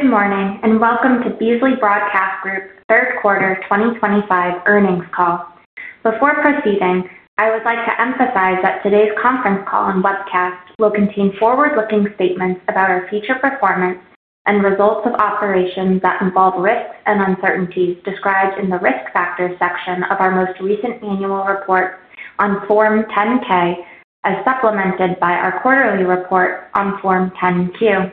Good morning and welcome to Beasley Broadcast Group, third quarter 2025 earnings call. Before proceeding, I would like to emphasize that today's conference call and webcast will contain forward-looking statements about our future performance and results of operations that involve risks and uncertainties described in the risk factors section of our most recent annual report on Form 10-K, as supplemented by our quarterly report on Form 10-Q.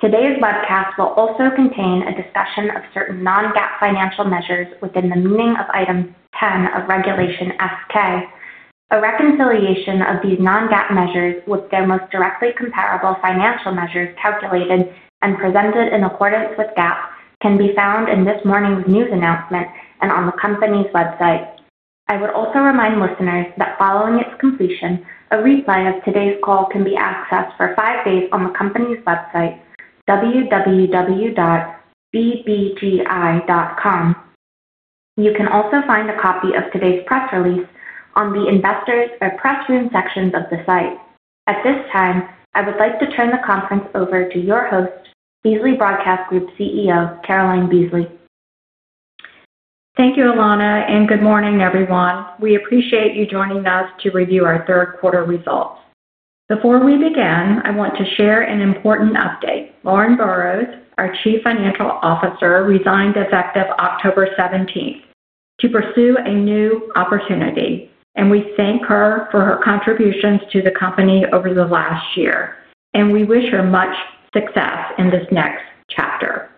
Today's webcast will also contain a discussion of certain non-GAAP financial measures within the meaning of item 10 of Regulation S-K. A reconciliation of these non-GAAP measures with their most directly comparable financial measures calculated and presented in accordance with GAAP can be found in this morning's news announcement and on the company's website. I would also remind listeners that following its completion, a replay of today's call can be accessed for five days on the company's website, www.bbgi.com. You can also find a copy of today's press release on the investor or press room sections of the site. At this time, I would like to turn the conference over to your host, Beasley Broadcast Group CEO, Caroline Beasley. Thank you, Alana, and good morning, everyone. We appreciate you joining us to review our third quarter results. Before we begin, I want to share an important update. Lauren Burrows, our Chief Financial Officer, resigned effective October 17th to pursue a new opportunity, and we thank her for her contributions to the company over the last year, and we wish her much success in this next chapter.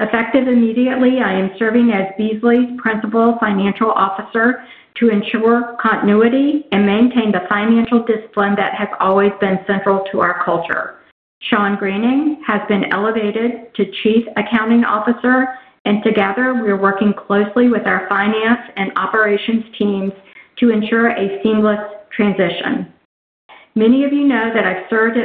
Effective immediately, I am serving as Beasley's principal financial officer to ensure continuity and maintain the financial discipline that has always been central to our culture. Sean Greening has been elevated to Chief Accounting Officer, and together we are working closely with our finance and operations teams to ensure a seamless transition. Many of you know that I've served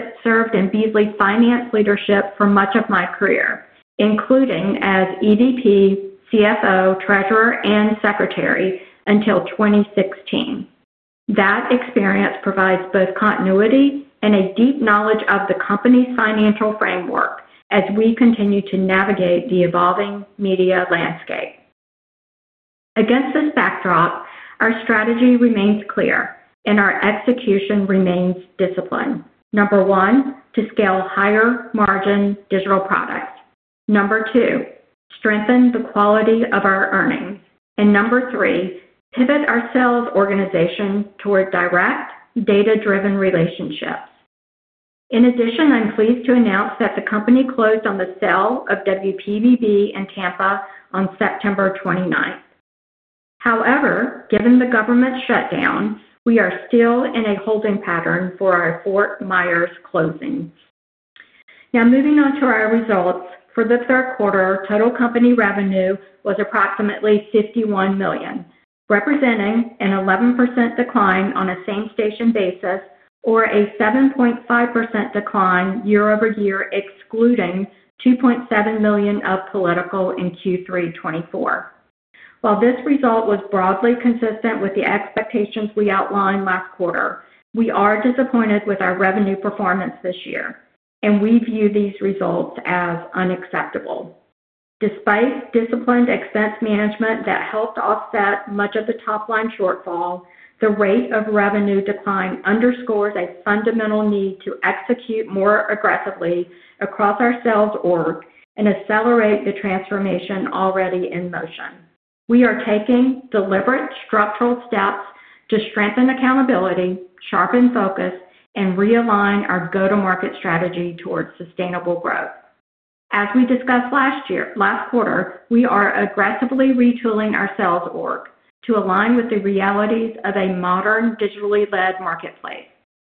in Beasley's finance leadership for much of my career, including as EVP, CFO, treasurer, and secretary until 2016. That experience provides both continuity and a deep knowledge of the company's financial framework as we continue to navigate the evolving media landscape. Against this backdrop, our strategy remains clear, and our execution remains disciplined. Number one, to scale higher margin digital products. Number two, strengthen the quality of our earnings. Number three, pivot our sales organization toward direct data-driven relationships. In addition, I'm pleased to announce that the company closed on the sale of WPBB in Tampa on September 29. However, given the government shutdown, we are still in a holding pattern for our Fort Myers closings. Now, moving on to our results, for the third quarter, total company revenue was approximately $51 million, representing an 11% decline on a same-station basis or a 7.5% decline year-over-year, excluding $2.7 million of political in Q3 2024. While this result was broadly consistent with the expectations we outlined last quarter, we are disappointed with our revenue performance this year, and we view these results as unacceptable. Despite disciplined expense management that helped offset much of the top-line shortfall, the rate of revenue decline underscores a fundamental need to execute more aggressively across our sales org, and accelerate the transformation already in motion. We are taking deliberate structural steps to strengthen accountability, sharpen focus, and realign our go-to-market strategy towards sustainable growth. As we discussed last quarter, we are aggressively retooling our sales org to align with the realities of a modern digitally led marketplace.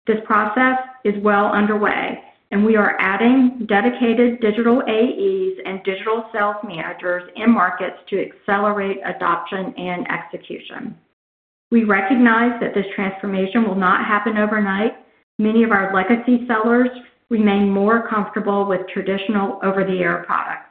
This process is well underway, and we are adding dedicated digital AEs and digital sales managers in markets to accelerate adoption and execution. We recognize that this transformation will not happen overnight. Many of our legacy sellers remain more comfortable with traditional over-the-air products.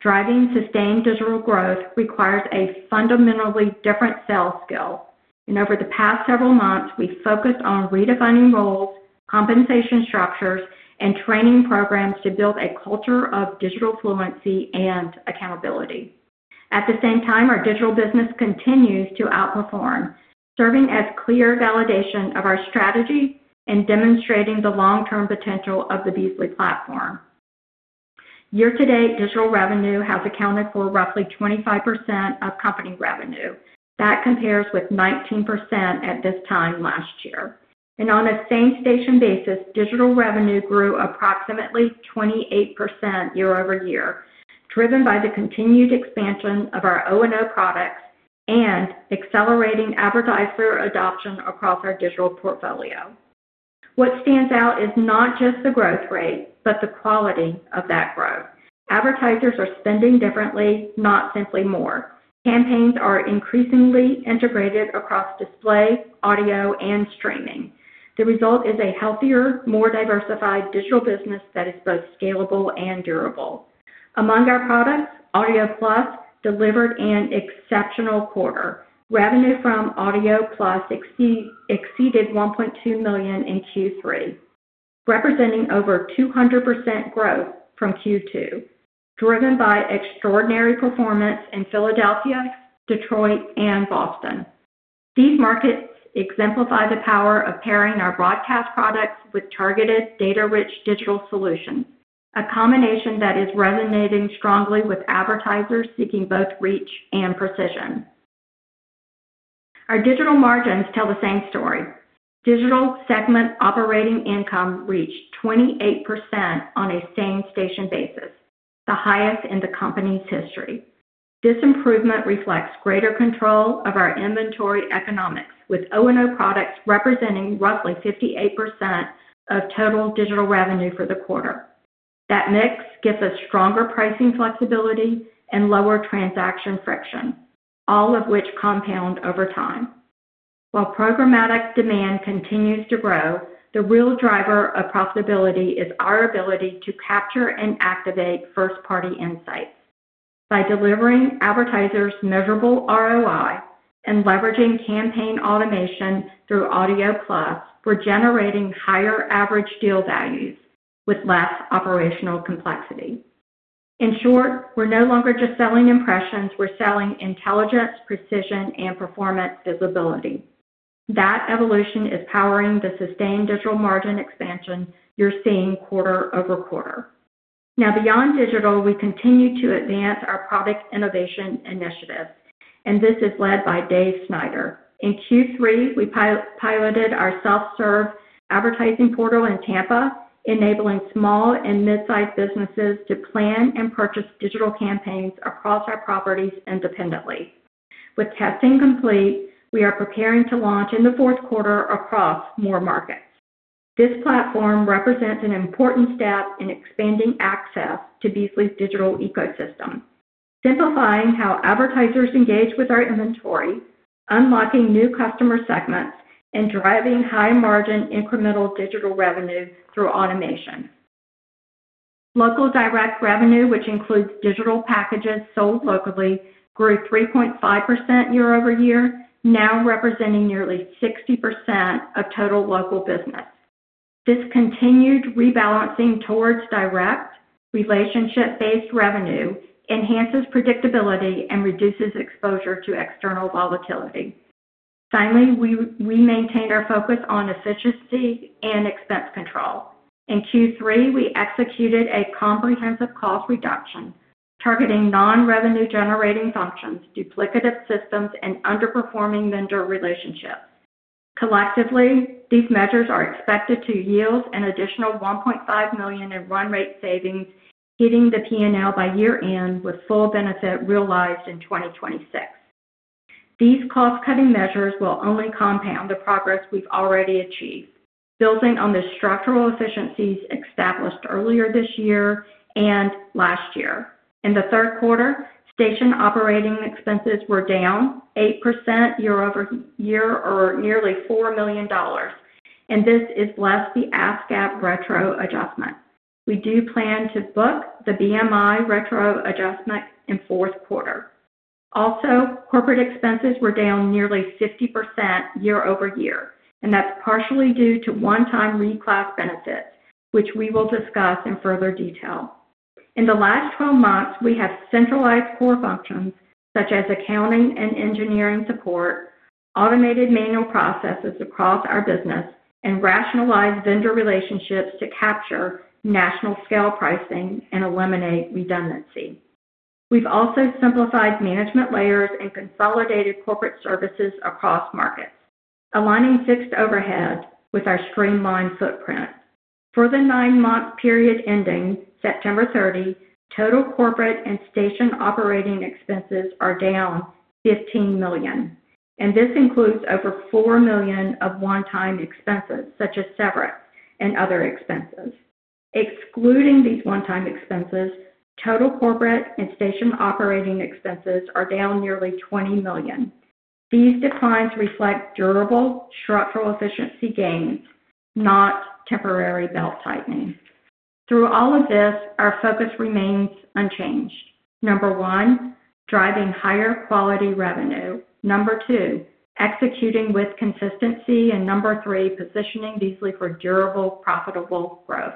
Driving sustained digital growth requires a fundamentally different sales skill. Over the past several months, we focused on redefining roles, compensation structures, and training programs to build a culture of digital fluency and accountability. At the same time, our digital business continues to outperform, serving as clear validation of our strategy and demonstrating the long-term potential of the Beasley platform. Year-to-date, digital revenue has accounted for roughly 25% of company revenue. That compares with 19% at this time last year. On a same-station basis, digital revenue grew approximately 28% year-over-year, driven by the continued expansion of our O&O Products and accelerating advertiser adoption across our digital portfolio. What stands out is not just the growth rate, but the quality of that growth. Advertisers are spending differently, not simply more. Campaigns are increasingly integrated across display, audio, and streaming. The result is a healthier, more diversified digital business that is both scalable and durable. Among our products, AudioPlus delivered an exceptional quarter. Revenue from AudioPlus exceeded $1.2 million in Q3, representing over 200% growth from Q2, driven by extraordinary performance in Philadelphia, Detroit, and Boston. These markets exemplify the power of pairing our broadcast products with targeted data-rich digital solutions, a combination that is resonating strongly with advertisers seeking both reach and precision. Our digital margins tell the same story. Digital segment operating income reached 28% on a same-station basis, the highest in the company's history. This improvement reflects greater control of our inventory economics, with O&O Products representing roughly 58% of total digital revenue for the quarter. That mix gives us stronger pricing flexibility and lower transaction friction, all of which compound over time. While programmatic demand continues to grow, the real driver of profitability is our ability to capture and activate first-party insights. By delivering advertisers' measurable ROI and leveraging campaign automation through AudioPlus, we're generating higher average deal values with less operational complexity. In short, we're no longer just selling impressions, we're selling intelligence, precision, and performance visibility. That evolution is powering the sustained digital margin expansion you're seeing quarter over quarter. Now, beyond digital, we continue to advance our product innovation initiatives, and this is led by Dave Snyder. In Q3, we piloted our self-serve advertising portal in Tampa, enabling small and mid-sized businesses to plan and purchase digital campaigns across our properties independently. With testing complete, we are preparing to launch in the fourth quarter across more markets. This platform represents an important step in expanding access to Beasley's digital ecosystem, simplifying how advertisers engage with our inventory, unlocking new customer segments, and driving high-margin incremental digital revenue through automation. Local direct revenue, which includes digital packages sold locally, grew 3.5% year-over-year, now representing nearly 60% of total local business. This continued rebalancing towards direct relationship-based revenue enhances predictability and reduces exposure to external volatility. Finally, we maintain our focus on efficiency and expense control. In Q3, we executed a comprehensive cost reduction targeting non-revenue-generating functions, duplicative systems, and underperforming vendor relationships. Collectively, these measures are expected to yield an additional $1.5 million in run rate savings, hitting the P&L by year-end with full benefit realized in 2026. These cost-cutting measures will only compound the progress we've already achieved, building on the structural efficiencies established earlier this year and last year. In the third quarter, station operating expenses were down 8% year-over-year or nearly $4 million, and this is less the ASCAP Retro Adjustment. We do plan to book the BMI Retro Adjustment in fourth quarter. Also, corporate expenses were down nearly 50% year-over-year, and that's partially due to one-time reclass benefits, which we will discuss in further detail. In the last 12 months, we have centralized core functions such as accounting and engineering support, automated manual processes across our business, and rationalized vendor relationships to capture national-scale pricing and eliminate redundancy. We've also simplified management layers and consolidated corporate services across markets, aligning fixed overhead with our streamlined footprint. For the nine-month period ending September 30, total corporate and station operating expenses are down $15 million, and this includes over $4 million of one-time expenses such as severance and other expenses. Excluding these one-time expenses, total corporate and station operating expenses are down nearly $20 million. These declines reflect durable structural efficiency gains, not temporary belt tightening. Through all of this, our focus remains unchanged. Number one, driving higher quality revenue. Number two, executing with consistency. Number three, positioning Beasley for durable, profitable growth.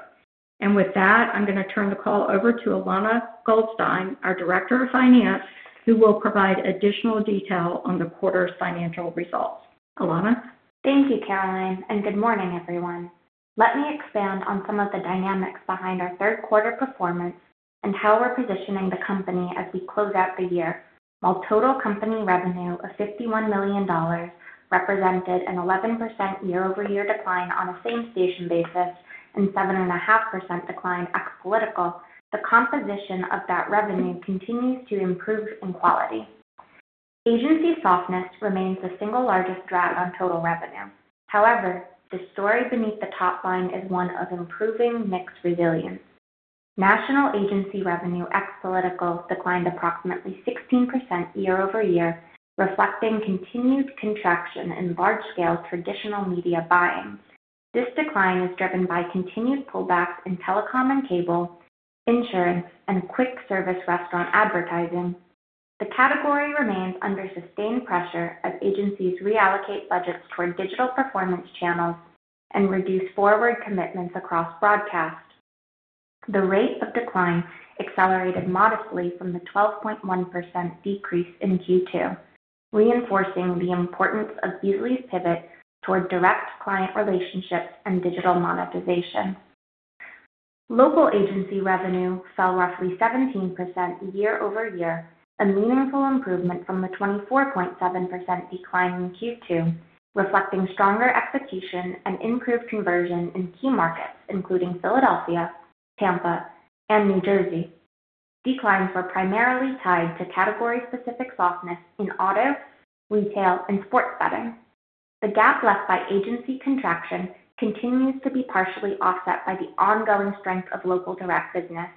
With that, I'm going to turn the call over to Alana Goldstein, our Director of Finance, who will provide additional detail on the quarter's financial results. Alana? Thank you, Caroline, and good morning, everyone. Let me expand on some of the dynamics behind our third-quarter performance and how we're positioning the company as we close out the year. While total company revenue of $51 million represented an 11% year-over-year decline on a same-station basis and 7.5% decline at the political, the composition of that revenue continues to improve in quality. Agency softness remains the single largest threat on total revenue. However, the story beneath the top line is one of improving mixed resilience. National agency revenue at the political declined approximately 16% year-over-year, reflecting continued contraction in large-scale traditional media buying. This decline is driven by continued pullbacks in telecom and cable, insurance, and quick-service restaurant advertising. The category remains under sustained pressure as agencies reallocate budgets toward digital performance channels and reduce forward commitments across broadcast. The rate of decline accelerated modestly from the 12.1% decrease in Q2, reinforcing the importance of Beasley's pivot toward direct client relationships and digital monetization. Local agency revenue fell roughly 17% year-over-year, a meaningful improvement from the 24.7% decline in Q2, reflecting stronger execution and improved conversion in key markets, including Philadelphia, Tampa, and New Jersey. Declines were primarily tied to category-specific softness in auto, retail, and sports betting. The gap left by agency contraction continues to be partially offset by the ongoing strength of local direct business,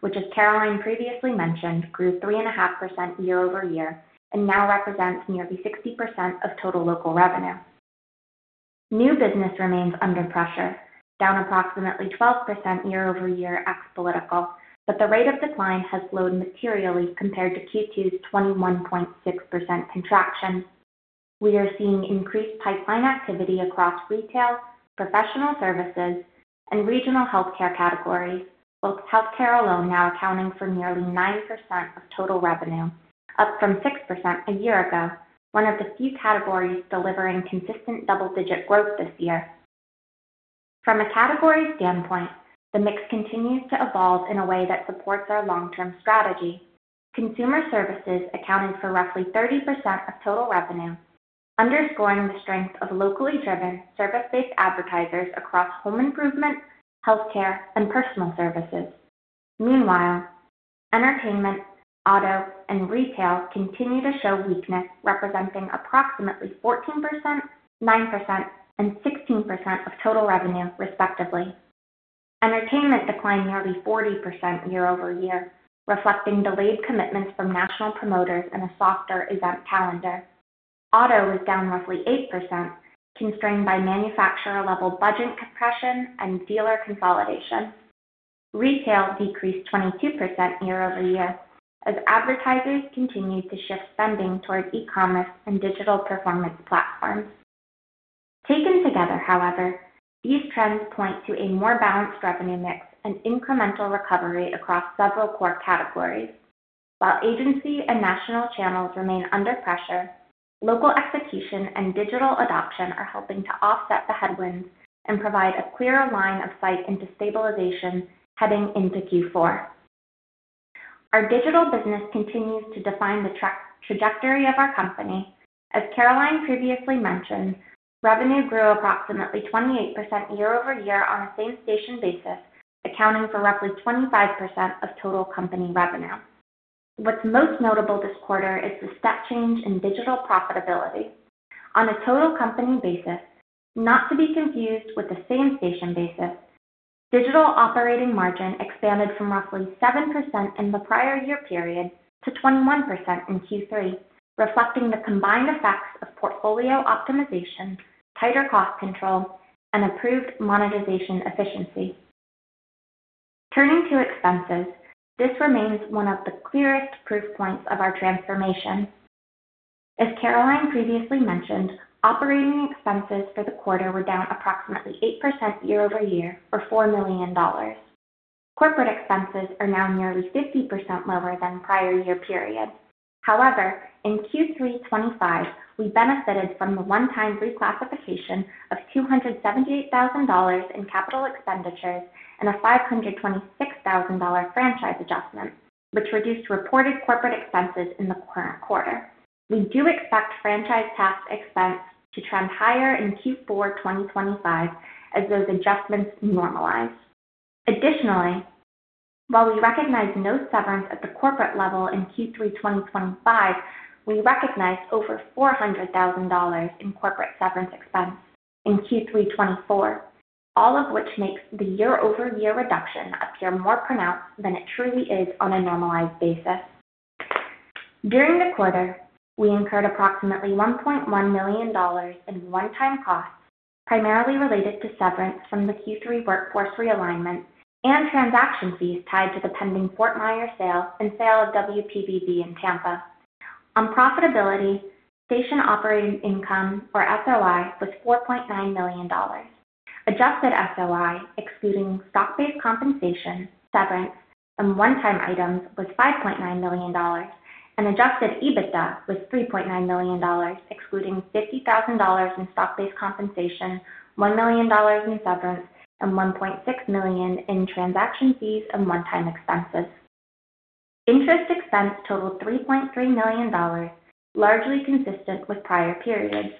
which, as Caroline previously mentioned, grew 3.5% year-over-year and now represents nearly 60% of total local revenue. New business remains under pressure, down approximately 12% year-over-year at the political, but the rate of decline has slowed materially compared to Q2's 21.6% contraction. We are seeing increased pipeline activity across retail, professional services, and regional healthcare categories, with healthcare alone now accounting for nearly 9% of total revenue, up from 6% a year ago, one of the few categories delivering consistent double-digit growth this year. From a category standpoint, the mix continues to evolve in a way that supports our long-term strategy. Consumer services accounted for roughly 30% of total revenue, underscoring the strength of locally driven, service-based advertisers across home improvement, healthcare, and personal services. Meanwhile, entertainment, auto, and retail continue to show weakness, representing approximately 14%, 9%, and 16% of total revenue, respectively. Entertainment declined nearly 40% year-over-year, reflecting delayed commitments from national promoters and a softer event calendar. Auto was down roughly 8%, constrained by manufacturer-level budget compression and dealer consolidation. Retail decreased 22% year-over-year as advertisers continued to shift spending toward E-commerce and digital performance platforms. Taken together, however, these trends point to a more balanced revenue mix and incremental recovery across several core categories. While agency and national channels remain under pressure, local execution and digital adoption are helping to offset the headwinds and provide a clearer line of sight into stabilization heading into Q4. Our digital business continues to define the trajectory of our company. As Caroline previously mentioned, revenue grew approximately 28% year-over-year on a same-station basis, accounting for roughly 25% of total company revenue. What's most notable this quarter is the step change in digital profitability. On a total company basis, not to be confused with a same-station basis, digital operating margin expanded from roughly 7% in the prior year period to 21% in Q3, reflecting the combined effects of portfolio optimization, tighter cost control, and improved monetization efficiency. Turning to expenses, this remains one of the clearest proof points of our transformation. As Caroline previously mentioned, operating expenses for the quarter were down approximately 8% year-over-year or $4 million. Corporate expenses are now nearly 50% lower than prior year period. However, in Q3 2025, we benefited from the one-time reclassification of $278,000 in capital expenditures and a $526,000 franchise adjustment, which reduced reported corporate expenses in the current quarter. We do expect franchise tax expense to trend higher in Q4 2025 as those adjustments normalize. Additionally, while we recognize no severance at the corporate level in Q3 2025, we recognize over $400,000 in corporate severance expense in Q3 2024, all of which makes the year-over-year reduction appear more pronounced than it truly is on a normalized basis. During the quarter, we incurred approximately $1.1 million in one-time costs, primarily related to severance from the Q3 workforce realignment and transaction fees tied to the pending Fort Myers sale and sale of WPBB in Tampa. On profitability, station operating income or SOI was $4.9 million. Adjusted SOI, excluding stock-based compensation, severance, and one-time items, was $5.9 million, and adjusted EBITDA was $3.9 million, excluding $50,000 in stock-based compensation, $1 million in severance, and $1.6 million in transaction fees and one-time expenses. Interest expense totaled $3.3 million, largely consistent with prior periods.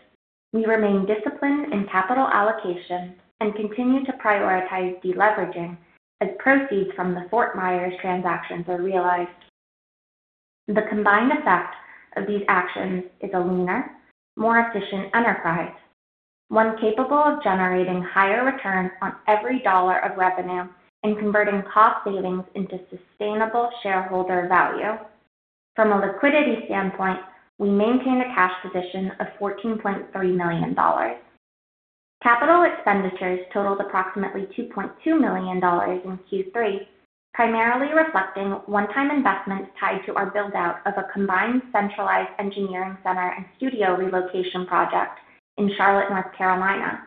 We remain disciplined in capital allocation and continue to prioritize deleveraging as proceeds from the Fort Myers transactions are realized. The combined effect of these actions is a leaner, more efficient enterprise, one capable of generating higher returns on every dollar of revenue and converting cost savings into sustainable shareholder value. From a liquidity standpoint, we maintain a cash position of $14.3 million. Capital expenditures totaled approximately $2.2 million in Q3, primarily reflecting one-time investments tied to our build-out of a combined centralized engineering center and studio relocation project in Charlotte, North Carolina.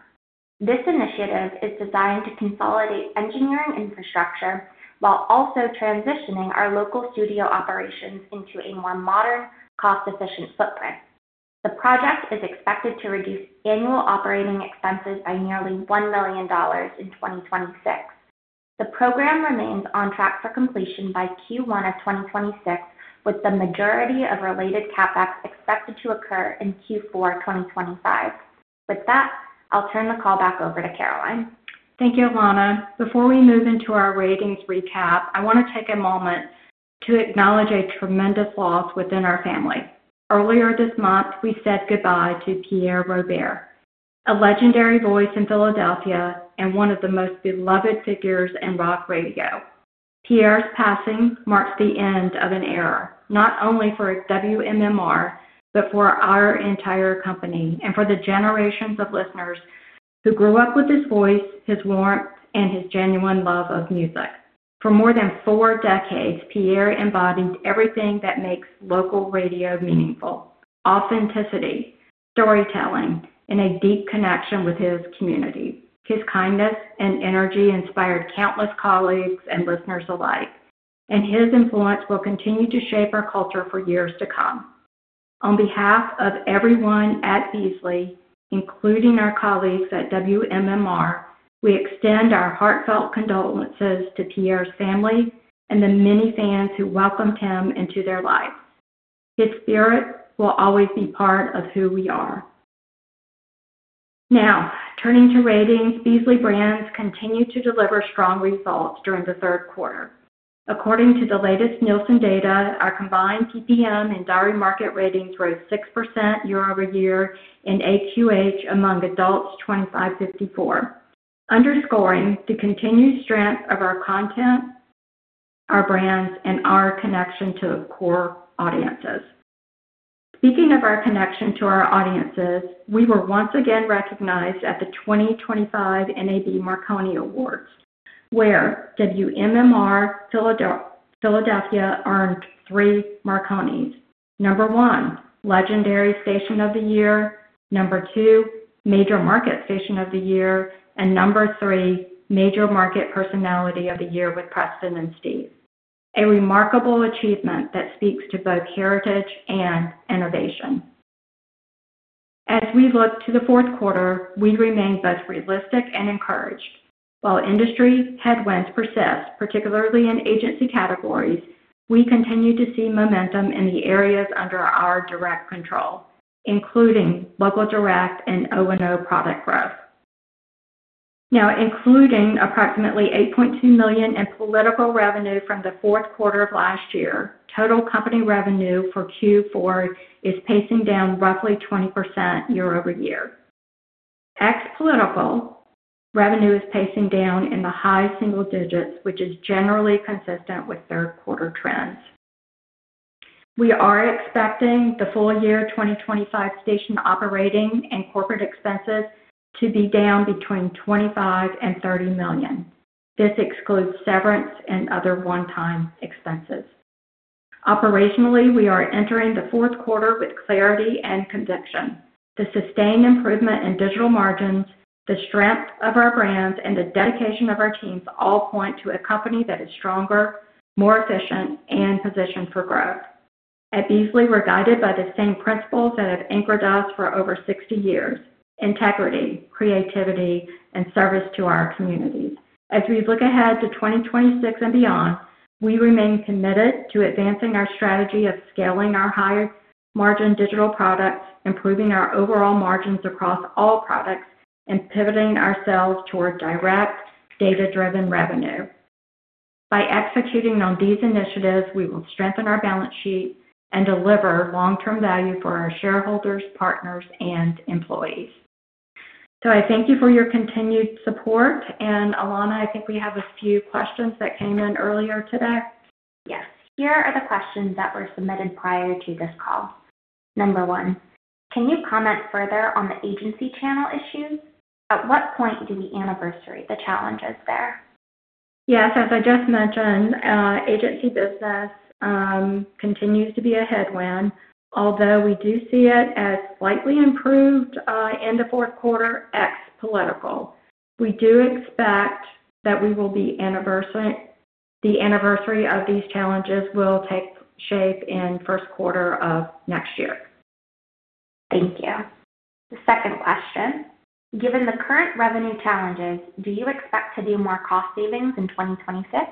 This initiative is designed to consolidate engineering infrastructure while also transitioning our local studio operations into a more modern, cost-efficient footprint. The project is expected to reduce annual operating expenses by nearly $1 million in 2026. The program remains on track for completion by Q1 of 2026, with the majority of related CapEx expected to occur in Q4 2025. With that, I'll turn the call back over to Caroline. Thank you, Alana. Before we move into our ratings recap, I want to take a moment to acknowledge a tremendous loss within our family. Earlier this month, we said goodbye to Pierre Robert, a legendary voice in Philadelphia and one of the most beloved figures in rock radio. Pierre's passing marks the end of an era, not only for WMMR, but for our entire company and for the generations of listeners who grew up with his voice, his warmth, and his genuine love of music. For more than four decades, Pierre embodied everything that makes local radio meaningful: authenticity, storytelling, and a deep connection with his community. His kindness and energy inspired countless colleagues and listeners alike, and his influence will continue to shape our culture for years to come. On behalf of everyone at Beasley, including our colleagues at WMMR, we extend our heartfelt condolences to Pierre's family and the many fans who welcomed him into their life. His spirit will always be part of who we are. Now, turning to ratings, Beasley Brands continued to deliver strong results during the third quarter. According to the latest Nielsen data, our combined TPM and diary market ratings rose 6% year-over-year in AQH among adults 25-54, underscoring the continued strength of our content, our brands, and our connection to core audiences. Speaking of our connection to our audiences, we were once again recognized at the 2025 NAB Marconi Awards, where WMMR Philadelphia earned three Marconis: number one, legendary station of the year; number two, major market station of the year; and number three, major market personality of the year with Preston and Steve. A remarkable achievement that speaks to both heritage and innovation. As we look to the fourth quarter, we remain both realistic and encouraged. While industry headwinds persist, particularly in agency categories, we continue to see momentum in the areas under our direct control, including local direct and O&O Product growth. Now, including approximately $8.2 million in political revenue from the fourth quarter of last year, total company revenue for Q4 is pacing down roughly 20% year-over-year. Ex-political revenue is pacing down in the high single digits, which is generally consistent with third-quarter trends. We are expecting the full year 2025 station operating and corporate expenses to be down between $25 million and $30 million. This excludes severance and other one-time expenses. Operationally, we are entering the fourth quarter with clarity and conviction. The sustained improvement in digital margins, the strength of our brands, and the dedication of our teams all point to a company that is stronger, more efficient, and positioned for growth. At Beasley, we're guided by the same principles that have anchored us for over 60 years: integrity, creativity, and service to our communities. As we look ahead to 2026 and beyond, we remain committed to advancing our strategy of scaling our high-margin digital products, improving our overall margins across all products, and pivoting ourselves toward direct, data-driven revenue. By executing on these initiatives, we will strengthen our balance sheet and deliver long-term value for our shareholders, partners, and employees. I thank you for your continued support. Alana, I think we have a few questions that came in earlier today. Yes. Here are the questions that were submitted prior to this call. Number one, can you comment further on the agency channel issue? At what point did the anniversary? The challenge is there. Yes. As I just mentioned, agency business continues to be a headwind, although we do see it as slightly improved in the fourth quarter ex-political. We do expect that we will be anniversary. The anniversary of these challenges will take shape in the first quarter of next year. Thank you. The second question. Given the current revenue challenges, do you expect to do more cost savings in 2026?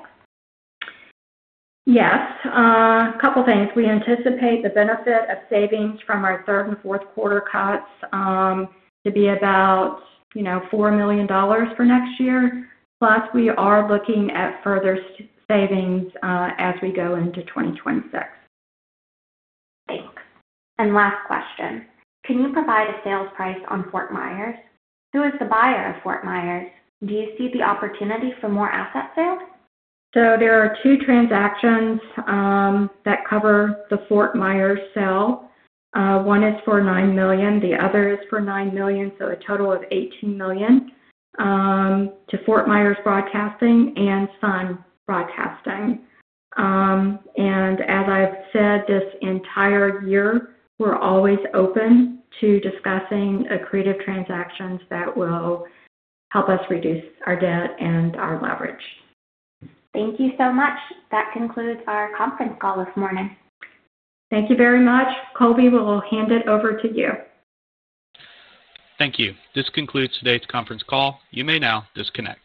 Yes. A couple of things. We anticipate the benefit of savings from our third and fourth quarter cuts to be about $4 million for next year. Plus, we are looking at further savings as we go into 2026. Thanks. Last question. Can you provide a sales price on Fort Myers? Who is the buyer of Fort Myers? Do you see the opportunity for more asset sales? There are two transactions that cover the Fort Myers sale. One is for $9 million. The other is for $9 million, so a total of $18 million to Fort Myers Broadcasting and Sun Broadcasting. As I've said, this entire year, we're always open to discussing creative transactions that will help us reduce our debt and our leverage. Thank you so much. That concludes our conference call this morning. Thank you very much. Colby, we'll hand it over to you. Thank you. This concludes today's conference call. You may now disconnect.